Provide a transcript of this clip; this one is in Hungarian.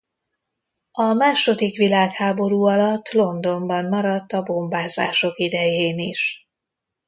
A második világháború alatt Londonban maradt a bombázások idején is.